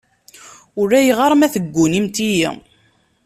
Ulayɣer ma teggunimt-iyi.